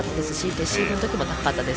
レシーブの時も高かったです。